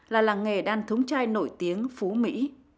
là làng nghề đan thống chai nổi tiếng phú mỹ